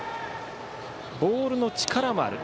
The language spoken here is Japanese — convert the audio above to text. ボールの力もある。